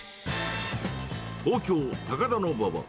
東京・高田馬場。